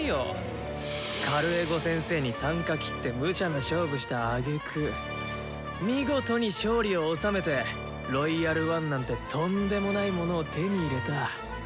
カルエゴ先生にたんか切ってむちゃな勝負したあげく見事に勝利を収めて「ロイヤル・ワン」なんてとんでもないものを手に入れた。